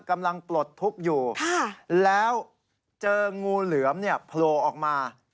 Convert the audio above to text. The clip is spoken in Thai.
ปลดทุกข์อยู่แล้วเจองูเหลือมเนี่ยโผล่ออกมา